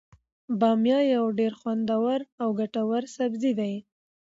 بامیه یو ډیر خوندور او ګټور سبزي دی.